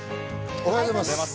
おはようございます。